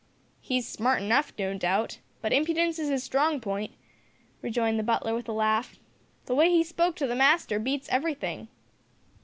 "He's smart enough, no doubt, but impudence is his strong point," rejoined the butler with a laugh. The way he spoke to the master beats everything.